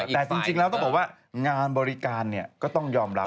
แต่จริงแล้วต้องบอกว่างานบริการก็ต้องยอมรับ